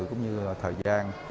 cũng như thời gian